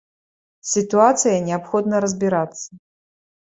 З сітуацыяй неабходна разбірацца.